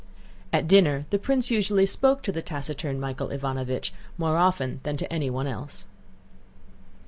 At dinner the prince usually spoke to the taciturn Michael Ivánovich more often than to anyone else.